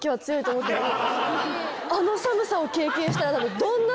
あの寒さを経験したら。